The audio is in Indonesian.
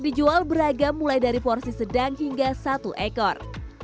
dijual beragam mulai dari porsi sedang hingga satu ekor